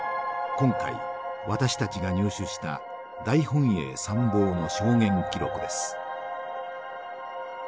今回私たちが入手した大本営参謀の証言記録です。